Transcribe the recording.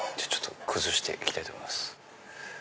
崩していきたいと思います。